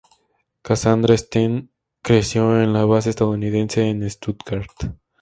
Cassandra Steen creció en la base estadounidense en Stuttgart.